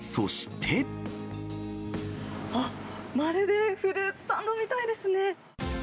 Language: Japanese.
あっ、まるでフルーツサンドみたいですね。